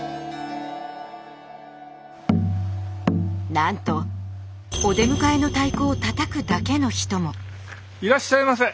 ☎☎なんとお出迎えの太鼓をたたくだけの人も。